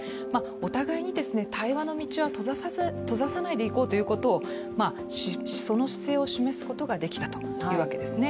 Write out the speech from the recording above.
お互いに対話の道は閉ざさないでいこうというその姿勢を示すことができたというわけですね。